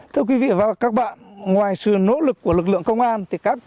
thưa quý vị và các bạn ngoài sự nỗ lực của lực lượng công an